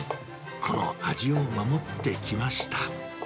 この味を守ってきました。